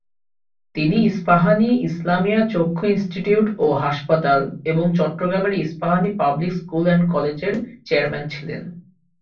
তিনি ইস্পাহানী ইসলামিয়া চক্ষু ইনস্টিটিউট ও হাসপাতাল এবং চট্টগ্রামের ইস্পাহানী পাবলিক স্কুল এন্ড কলেজের চেয়ারম্যান ছিলেন।